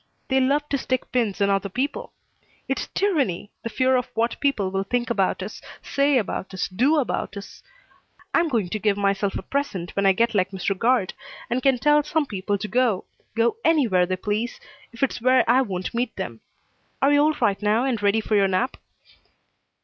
They love to stick pins in other people! It's tyranny the fear of what people will think about us, say about us, do about us! I'm going to give myself a present when I get like Mr. Guard and can tell some people to go go anywhere they please, if it's where I won't meet them. Are you all right now and ready for your nap?"